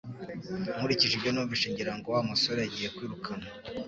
Nkurikije ibyo numvise ngira ngo Wa musore agiye kwirukanwa